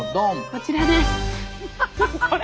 こちらです。